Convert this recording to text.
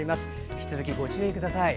引き続き、ご注意ください。